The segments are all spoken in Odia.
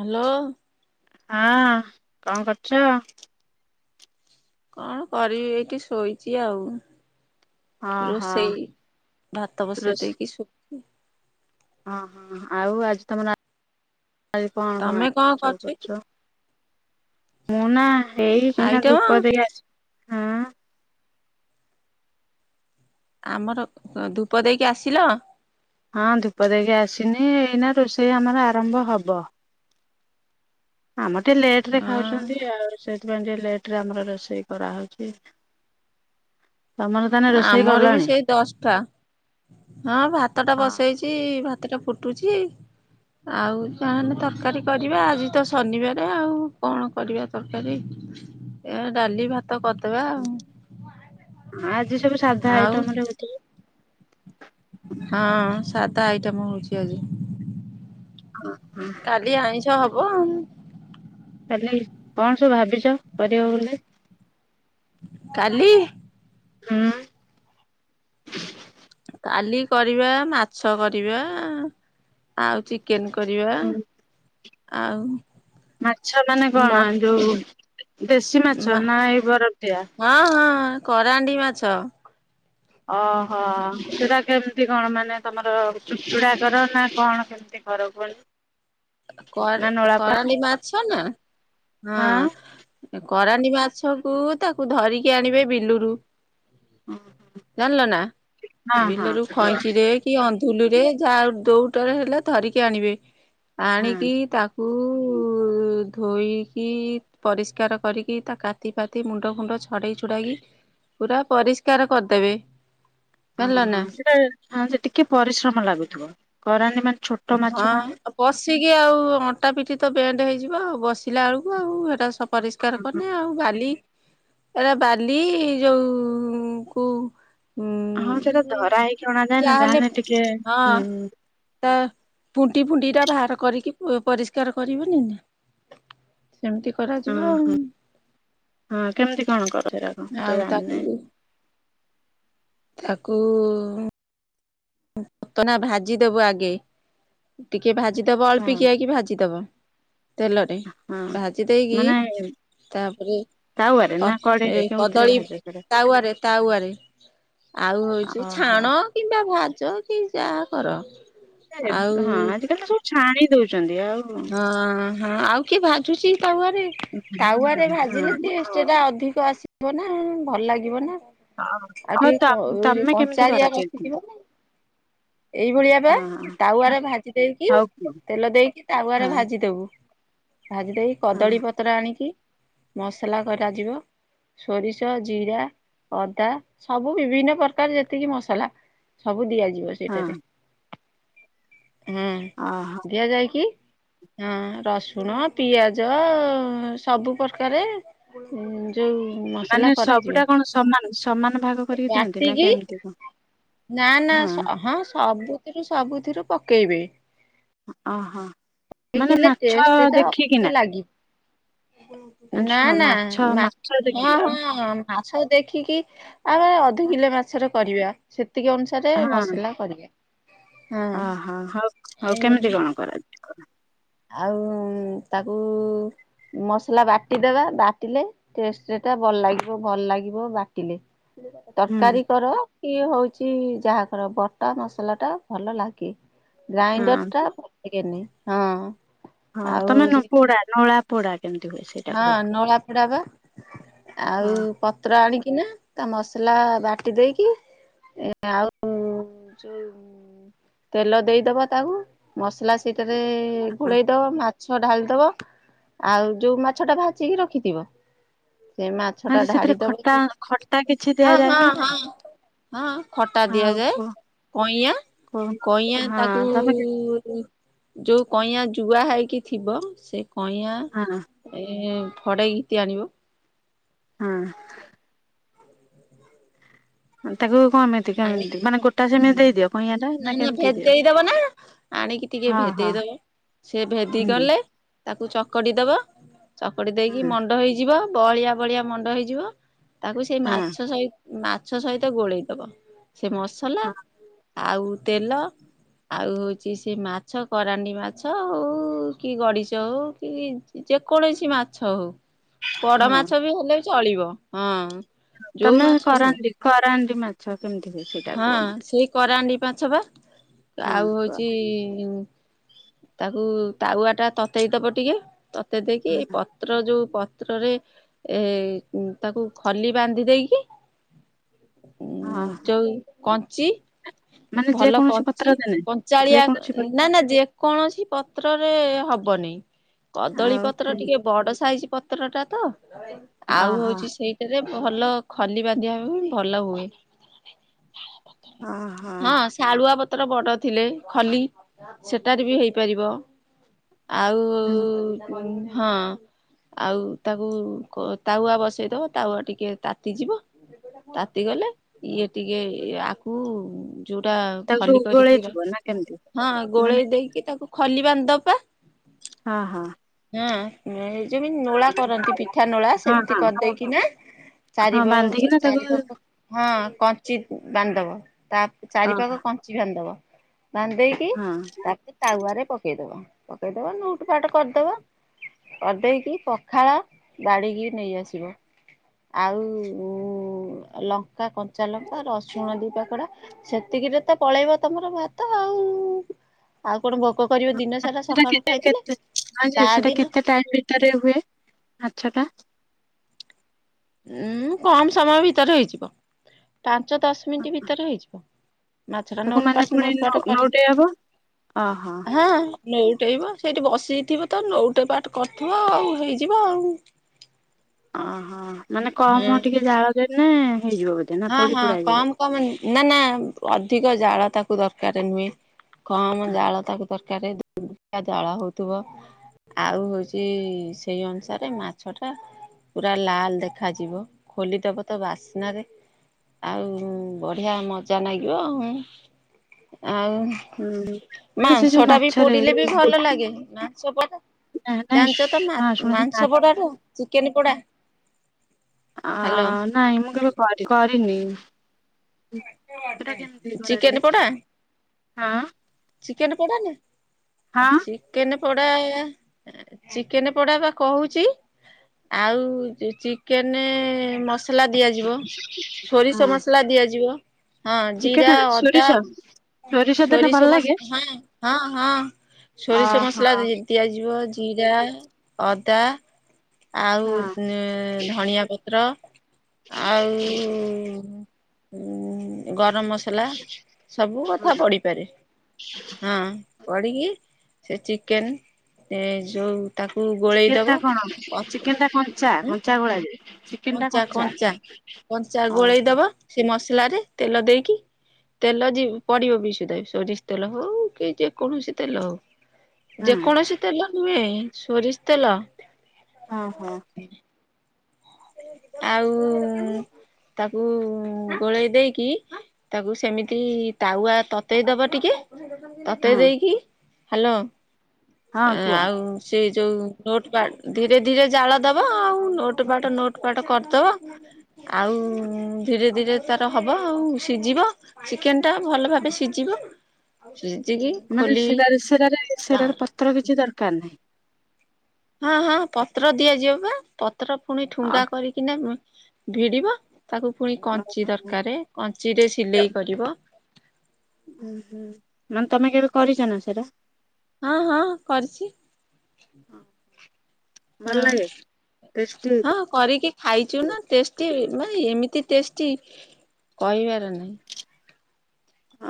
ହ୍ୟାଲୋ। ହଁ କଣ କରୁଛ? କଣ କରିବି ଏଇଠି ଶୋଇଛି ଆଉ। ହଁ ହଁ ରୋଷେଇ ଭାତ ବସେଇ ଦେଇକି ଶୋଇଚି। କି ଓଁ ହଁ ଆଉ ଆଜି ତମର? ଆଜି କଣ କଣ ତମେ ଆଇଟମ ସବୁ କରୁଛ କି କରିଛ। ମୁ ନା ଏଇ ସିନା ଆଇଟମ ଧୂପ ଦେଇ ଆସି ହଁ ଆମର ଧୂପ ଦେଇକି ଆସିଲ? ହଁ ଧୂପ ଦେଇକି ଆସିନି ଏଇନା ରୋଷେଇ ଆମର ଆରମ୍ଭ ହବ। ହଁ ମତ ଟିକେ ଲେଟ ରେ ହଁ ଖାଉଛନ୍ତି ଆଉ ସେ ସେଥିପାଇଁ ଟ ଲେଟ ରେ ଆମର ରୋଷେଇ କରାହେଉଛି। ଆମର ବି ସେଇ ଦଶଟା ହଁ ଭାତ ଟା ହଁ ବସେଇଛି। ଭାତଟା ଫୁଟୁଛି ଆଉ ଯାେଲେ ତରକାରୀ କରିବା ଆଜି ତ ଶନିବାର ଆଉ କଣ କରିବା ତରକାରୀ ଏ ଡାଲି ଭା ତ କରିଦବା ଆଉ ଆଜି ସବୁ ସାଧା ଆଉ ଆଇଟମରେ ଉଠିବ। ହଁ ସା ତା ଆଇଟମ୍ ହଉଛି ଆଜି କାଲି ଆଇଷ ହବ। କାଲି କଣ ସବୁ ଭାବିଚ କରିବ ବୋଲି? କାଲି ହୁଁ। କାଲି କରିବା ମାଛ କରିବା ଆଉ ଚି କେନ କରିବା। ଆଉ ମାଛ ମାନେ ମ କଣ ଯୋଉ ଦେଶୀ ମାଛ ମା ନା ଏଇ ବରଫଦିଆ? ହଁ ହଁ କରାଣ୍ଡି ମାଛ। ଓହୋ ସେଟା କେମିତି କଣ ମାନେ ତମର ଚୁଚୁଡ଼ା କର ନା କଣ କେମିତି କର କୁହନି। ନା କରା ନଳାପୋଡା କରାଣ୍ଡିମାଛ ନା ହଁ। କରାଣ୍ଡି ମାଛ କୁ ତାକୁ ଧରିକି ଆଣିବେ ବିଲୁରୁ। ହଁ ଜାଣିଲ ନା ହଁ ବିଲରୁ ଖଇଁଚିରେ କି ଅନ୍ଧୁଲି ଯା ଦୋଉଟାରେ ହେଲେ ଧରିକି ଆଣିବେ। ହଁ ଆଣିକି ତା କୁ ଧୋଇକି ପରିଷ୍କାର କରିକି ତା କାତି ଫାତି ମୁଣ୍ଡ ଫୁଣ୍ଡ ଛଡେଇ ଛୁଡ଼ାଇକି ପୁରା ପରିଷ୍କାର କରିଦେବେ। ଜାଣିଲ ଓହୋ ନା। ସେଟା ଟିକେ ପରିଶ୍ରମ ଲାଗୁଥୁବ। କରାଣ୍ଡି ମା ହଁ ଆ ବସି କି ଆଉ ଅଣ୍ଟା ପିଠି ତ ବେଣ୍ଡ ହେଇଯିବ ଆଉ ବସିଲା ବେଳକୁ ଆଉ ହେରା ସ ପରିଷ୍କାର କନେ ଆଉ ବାଲି ଏରା ବାଲି ଯୋଉ କୋଉ ହଁ ସେଟା ଧରା ହେଇକି ଅଣାଯାଏନା ଯାହାହେଲେ ଜାହାନେ ଟିକେ ହୁଁ। ହଁ ତା ଫୁଣ୍ଟି ଫୁଣ୍ଟି ରା ବାହାର କରିକି ପରିଷ୍କାର କରିବନି ନା। ସେମିତି କରାଯିବ ଆଉ। ଓହୋ ହଁ କେମିତି କଣ କରନ୍ତି ତାକୁ? ଆଉ ତାକୁ ତାକୁ ପତ ନା ଭାଜିଦବୁ ଆଗେ ଟିକେ କିଏ ଭାଜିଦବ ହଁ ଅଳ୍ପିକିଆକି କି ଭାଜିଦବ। ତେଲରେ ହଁ ଭାଜି ମାନେ ଦେଇକି ତାପରେ ତାୱାରେ ପ ନା ଏ କଡେଇରେ କେଉଁଥିରେ କଦଳୀ ଭାଜ ସେଟା ତାୱରେ ତାୱଆରେ ଆଉ ହଉଛି ଓହୋ ଛାଣ କିମ୍ବା ଭା ଚ କି ଯାହା କର। ଆଉ [unintelligible] ହଁ ଆଜି କାଲି ତ ସବୁ ଛାଣି ଦଉଚନ୍ତି। ହଁ ହଁ ଆଉ କିଏ ଭାଜୁଚି ତାୱଆରେ ତାୱଆରେ ଭାଜିଲେ ଟେଷ୍ଟ ଟା ଅଧିକ କ ଆସିବ ନା ଭଲଲାଗିବ ନା। ହଁ ଆଉ ହଉ ଟିକେ ତ କ ତମେ କେମିତି କଞ୍ଚାଳିଆ କରା [unintelligible] ରଖିଥିବ ନା ଏଇଭଳିଆ ବା ତାୱାରେ ଭାଜି ଦେଇକି ହଉ କୁହ ତେଲ ଦେଇକି ହଁ ତାୱଆରେ ଭାଜି ଦବୁ। ଭାଜି ଦେଇେ ହଁ କଦଳୀ ପତ୍ର ଆଣିକି ମସଲା କରାଯିବ ସୋରିଷ ଜିରା ଅଦା ସବୁ ବିଭିନ୍ନ ପ୍ରକାର ଯେତିକି ମସଲା ସବୁ ଦିଆଯି ହଁ ତରେ ଏଁ ଓହୋ ଦିଆଯାଇକି ହଁ ରସୁଣ ପିଆଜ ସବୁ ପ୍ରକାରେ ଉଁ ମାନେ ସବୁଟା କଣ ସମାନ ସମାନ ଭାଗ କରିକି ଦିଅନ୍ତି ନା ବାଟିକି କେମିତି ନା ନା କଣ ହଁ। ସବୁଥିରୁ ସବୁଥିରୁ ପକେଇବେ। ଅ ହୋ। [unintelligible] ଟେଷ୍ଟ ଟା ନା ଅଧିକ ଲାଗି ନା ଶୁଣ ନା ମାଛ ମା ମାଛ ଦେଖିକି ହଁ ଆଉ ହଁ। ମାଛ ଦେଖିକି ଆମେ ଅଧ କିଲେ ମାଛର କରିବା। ସେତିକି ଅନୁସାରେ ହଁ ମସଲା କରିବା। ହଁ ଓହୋ ହଉ ହଉ କେମିତି କଣ କରା ହ ଆଉ ତାକୁ ମସଲା ବାଟିଦେବା ବାଟିଲେ ଟେଷ୍ଟ ଟା ବଲ ଲାଗିବ ଭଲ ଲାଗିବ ବାଟିଲେ। ହୁଁ ତରକାରୀ କର। ଇଏ ହଉଚି ଯାହାକର ବଟା ମସଲା ଟା ଭଲ ଲାଗେ। ହଁ ଗ୍ରାଇଣ୍ଡର ଟା [unintelligible] ହଁ। ହଁ ଆଉ ତମେ ନ ହଉଛି ପୋଡା ନଳା ପୋଡ଼ା ହଁ ନୋଳା ଫୋଡା ପା ଆଉ ହଁ ପତ୍ର ଆଣିକି କିନା ତା ମସଲା ବାଟି ଦେଇକି ଆଉ ଯଉ ତେଲ ଦେଇଦବ ତାକୁ ମସଲା ସେଇ ରେ ଘୋଡ଼େଇ ଦବ ମା ମାଛ ଢାଳିଦବା ଆଉ ଯୋଉ ମା ଛ ଟା ଭାଜିକି ରଖିଥିବ। ସେ ମାଛ ହଁ ଟା ଯେ ସେଥିରେ ଢାଳିଦବ ଖଟା କି ଖଟା କିଛି ହଁ ଦିଆଯାଏ ହଁ ନା ନାହିଁ? ହଁ ହଁ। ଖଟା ଦିଆଯାଏ କଇଁଆ କୁହ କଇଁଆଁ ହଁ ତାକୁ ତମେ କେ ଯୋଉ କଇଁଆ ଜୁଆ ହେଇକି ଥିବ ସେ କଇଁଆ ହଁ ଏ ଫଡେ ଘିତଗ ଆଣିବ। ହଁ। କଁ ତାକୁ କଣମିତି ଆଣି କେମିତି ମାନେ ଗୋଟା ସେମିତି ହୁଁ ଦେଇଦିଅ କଇଁଆଟା ନା ନାଇଁ ନାଁ କେମିତି ଦିଅ? ଭେଦେଇ ଦବ ନାଁ ଆଣିକି ଟିକେ ହଁ ହଁ ଭେଦେଇ ଦବ ସେ ହୁଁ ଭେଦିଗଲେ ତାକୁ ଚକଟି ଦବ ଚକଡ଼ି ଦେଇକି ହଁ ମଣ୍ଡ ହେଇଯିବ। ବହଳିଆ ବଳିଆ ମଣ୍ଡ ହେଇଯିବ। ତାକୁ ସେଇ ହଁ ମାଛ ସହି ଉଁ ମାଛ ସହିତ ଗୋଳେଇଦବ। ସେ ମସଲା ଆଉ ତେଲ ଆଉ ହୋଉଚି ସେ ମାଛ କରାଣ୍ଡି ମାଛ ହୋଉ କି ଗଡ଼ିଶ ହୋଉ କି ଯେ ଯେକୌଣସି ମାଛ ହୋଉ ହଁ ବଡ଼ ହଁ ମାଛ ବି ହେଲେ ଚଳିବ ହଁ। ଯୋଉ ତମେ ମାଛ ହଉ କରଣ୍ଡି କରଣ୍ଡି ମାଛ କେମ ହଁ ସେଇ କରାଣ୍ଡି ପାଁଛ ପା। ହଁ ଆଉ କୁହ ହୋଉଚି ତାକୁ ତାୱାଟା ତତେଇ ଦବ ଟିକେ ତତେଇ ଦେଇକି ହଁ ପତ୍ର ଯୋଉ ପ ପତ୍ରରେ ଏ ତାକୁ ଖଲି ବାନ୍ଧି ଦେଇକି ହଁ। ଯୋଉ କଞ୍ଚି ମାନେ ଭଲ ଯେକୌଣସି କଞ୍ଚି ପତ୍ର ଦେଲେ କଞ୍ଚାଳିଆ ଯେକୌଣସି ପ ନାଁ ନାଁ ଯେକୌଣସି ପତ୍ରରେ ହ ବନେଇ କଦଳୀ ଆଉ ପତ୍ର ଟିକେ ବଡ ସାଇଜି ପତ୍ରଟା ତ‌ ଆଉ ଓହୋ ହୋଉଚି ସେଇଥିରେ ଓ ଭଲ ଖଲି ବାନ୍ଧିବା [unintelligible] ଭଲ ହୁଏ। ଓହୋ ହଁ ଶାଳୁଆ ପ ପତ୍ର ବଡ଼ ଥିଲେ ଖଲି ସେଟାରେ ବି ହେଇପାରିବ। ଆଉ ଉଁ ହଁ ଆଉ ତାକୁ କ ତାୱା ବସେଇ ଦବ ତାୱଆ ଟିକେ ତାତି ଯିବ ତାତିଗଲେ ଇଏ ଟିକେ ଆକୁ ଯୋଉଟା ତାକୁ ସବୁ ଖଲି କରିକି ର ଗୋଳେଇଥିବ ନା କେମିତି ହଁ ମାନେ ଗୋଳେଇ ଦେଇକି ତାକୁ ଖଲି ବାନ୍ଧିଦବ ପା ହଁ ହଁ ହଁ ଯେମିତି ନୂଳା କରନ୍ତି ପିଠା ନୂଳା ହଁ ହଁ ସେମିତି କରିଦେଇକିନା ହଁ ଚାରି ବାନ୍ଧିକିନା ତାକୁ ଚାରିପଖ ହଁ ଚିତ ବାନ୍ଧିଦେବ। ତା ଅ ଚାରିପାଖ କଞ୍ଚି ବାନ୍ଧିଦେବ। ବାନ୍ଧିଦେଇକି ହଁ ତାପରେ ତାୱଆରେ ପକେଇଦବା। ପକେଇଦବା ଲୁଟ ଫାଟ କରିଦବା କରିଦେଇକି ପଖାଳ ବାଡିକି ନେଇ ଆସିବ ଆଉ ଲଙ୍କା କ ଚାଲ ରସୁଣ ଦି ପାକଡା ସେତିକିରେ ତ ପଳେଇବ ତମର ଭାତ ଆଉ ଆଉ କଣ ଭୋକ କରିବ ଦିନ ସାରା ସକାଳୁ ଖାଇଥିଲେ ତା ସେଟା ଦିନ କେତେ ଟାଇମ ଭିତରେ ହୁଏ ମାଛ ଟା ଉଁ କମ ସମୟ ଭିତରେ ହେଇଯିବ। ଦଶ ମିନିଟ୍ ଭିତରେ ହେଇଯିବ। ମାଛଟା ତାକୁ ନଉଟ ମାନେ ପାଉଟ ପୁଣି ନୋଟପଟ କରି ନୋଉଟେଇ ହବ ଓହୋ। ହଁ ସେଇଠି ବସିଯାଇଥିବ ତ ନଉଟେ ପାଠ କରିଥିବ ଆଉ ହେଇଯିବ ଆଉ ଅ ହୋ ମାନେ ହୁଁ। କମ ଟିକେ ଜାଳ ଦେ ନା ହଁ ପୋଡି ହଁ ପୋଡା ହେଇଯିବ। କମ କମ ନା ନା ଅଧିକ ଜାଳ ତା କୁ ଦରକାର ନୁହେଁ। କମ ଜାଳ ତାକୁ ତରକାରୀ ଜଳ ହଉଥିବ ଆଉ ହଉଛି ସେଇ ଅନୁସାରେ ମାଛ ଟା ପୁରା ଲାଲ ଦେଖାଯିବ ଖୋଲିଦବ ତ ବାସ୍ନାରେ ଆଉ ବଢିଆ ମଜା ଲାଗିବ ଆଉ ଆଉ ହୁଁ ମାନେ ସେ ଯୋଉ ମାଂସଟା ବି ମାଛରେ ପୋଡିଲେ ବି ଭଲ ଲାଗେ ମାଂସ ପଡା ନାଇଁ ଜାଣିଛ ତ ହଁ ଶୁଣ ସେ ମାଂସ ପୋଡାର ଚିକେନ ପୋଡା ଅ ହ୍ୟାଲୋ ନାଇଁ ମୁଁ କେବେ କରି କ ନି ଚିକେନ ପୋଡା ହଁ ଚିକେନ ପୋଡା ହଁ ଚିକେ ପୋଡା ଚିକେନ ପୋଡା ବା କହୁଛି ଆଉ ଚିକେନ ମସ ମସଲା ଦିଆଯିବ ସୋରିଷ ହଁ। ମସଲା ଦିଆଯିବ। ହଁ ଜିରା ଚିକେନରେ ସୋରିଷ ଅଦା ସୋରିଷ ଦେଲେ ଭଲ ସୋରିଷସ ଲାଗେ ହଁ ହଁ ହଁ ସୋରିଷ ଓହୋ ମସଲା ଦିଆଯିବ ଜିରା ଅଦା ଆଉ ହଁ। ଧଣିଆ ପତ୍ର ଆଉ ଗ ଗରମ ମସଲା ସବୁ କଥା ପଢିପାରେ ହଁ। ପଡ଼ିକି ସେ ଚିକେନ୍ ଯଉ ଚିକେନଟା କଣ ଚିକେନଟା କଞ୍ଚା ଉଁ କଞ୍ଚା ଗୋଳା ଯାଏ? କଞ୍ଚା କଞ୍ଚା କଞ୍ଚା ଗୋଳେଇ ଓହୋ ଦବ ସେ ମସଲାରେ ତେଲ ଦେଇକି ତେଲ ଯି ପଡ଼ିବ ବି ସୁଦେ ସୋରିଷ ତେଲ ହୋଉ କି ଯେକୌଣସି ତେଲ ହୋଉ। ହଁ ଯେକୌଣସି ତେଲ ନୁହେଁ। ଷୋରିଷ ତେଲ। ହଁ ହଁ। ଆଉ ତାକୁ ଗୋଳେଇ ଦେଇକି ତାକୁ ସେମିତି ତାୱା ତତେଇ ଦବ ଟିକେ ତତେଇ ହଁ ଦେଇକି ହାଲୋ। ହଁ ଆ କୁହ ଆଉ ସେ ଯୋଉ ନୋଟ୍ ପା‌ ଧୀରେ ଧୀରେ ଜାଳ ଦବ ଆଉ। ଉଁ ନୋଟ ବାଟ ନୋ ପାଟ କରିଦବ ଆଉ ଧୀରେ ଧୀରେ ତାର ହବ ଆଉ ସିଜିବ ଚିକେନ୍ ଟା ଭଲ ଭାବେ ସିଜିବ। ଚେ ମାନେ ସେରାରେ ସେରାରେ ସେରାରେ ପତ୍ର କିଛି ଦର କାର ନାହିଁ। ହଁ ହଁ ପତ୍ର ଦିଆଯିବ ପା ପ ତାର ଫୁଣି ଅ ଠୁଙ୍ଗା କରିକିନା ଉଁ ଭିଡ଼ିବ ତାକୁ ଫୁଣି କଞ୍ଚି ଦରକାରେ କଞ୍ଚିରେ ସିଲେଇ କରିବ। ଉଁ ହୁଁ ମାନେ ତମେ କେବେ କରିଚ ନା ସେଟା? ହଁ ହଁ କରିଛି ଭଲ ହଁ ଲାଗେ ଟେଷ୍ଟି। ହଁ କରିକି ଖାଇଚୁ ନାଁ ଟେଷ୍ଟି ମାନେ ଏମିତି ଟେଷ୍ଟି କହିବାର ନାହିଁ।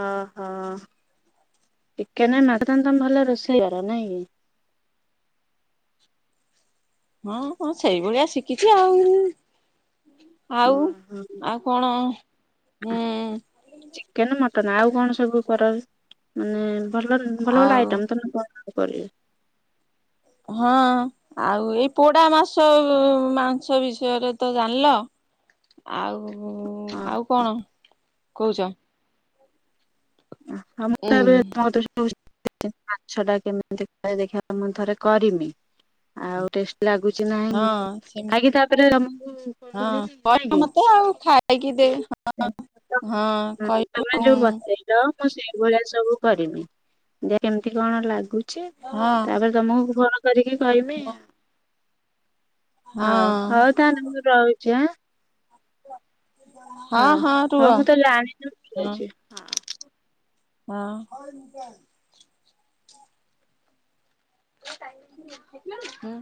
ଅ ହ ଚିକେନ [unintelligible] ତମେ ଭଲ ରୋଷେଇ କର ନାଇଁ । ହଁ ହଁ ସେଇଭଳିଆ ଶିଖିଉଛି ଆଉ। ଆଉ ଓହୋ। ଆଉ କଣ ହୁଁ। ତାନେ ଆଉ କଣ ସବୁ କର ମାନେ ଭଲ ଭଲ ଭଲ ଆଉ ଆଇଟମ୍ ତମେ କର ଏ କରି ହଁ ଆଉ ଏଇ ପୋଡ଼ା ମାସ ମାଂସ ବିଷୟରେ ତ ଜାଣିଲ ଆଉ ହୁଁ ଆଉ କଣ କୋହୁଚ? ହଁ ମତେ ଉଁ ଏବେ ତମ କଥା ଶୁଭୁଚି। [inaudible] ମାଛଟା କେମିତି କରେ ଦେଖିଆ ମୁଁ ଥରେ କରିମି। ଆଉ ଟେଷ୍ଟ ଲାଗୁଛି ନାହିଁ ହଁ ସେମ ଖାଇକି ତାପରେ ତମକୁ କଲ କରିବି। ହଁ କହିବ ନାଇଁ କି ମତେ ଆଉ ଖାଇକି ଦେ ହଁ [inaudible] କହିବ ତମେ ହଁ। ଯୋଉ ର ମୁଁ ସେଇଭଳିଆ ସବୁ କରିବି ଯେ କେମିତି କଣ ଲାଗୁଛି ହଁ ତାପରେ ତମକୁ ଫୋନ କରିକି କହମି ଆଉ। ହଉ ହଉ ତାହାନେ ମୁଁ ରହୁଛିଁ ଆଁ ହ ହଁ ହଉ ମୁଁ ତ ହଁ ଲଣିଛି ହଁ [inaudible]